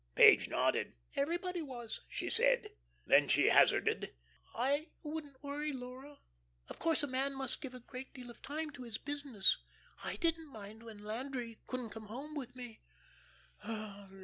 Page nodded: "Everybody was," she said. Then she hazarded: "I wouldn't worry, Laura. Of course, a man must give a great deal of time to his business. I didn't mind when Landry couldn't come home with me."